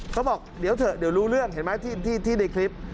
เขาบอกเดี๋ยวเถอะเดี๋ยวรู้เรื่องเห็นไหมที่ในคลิป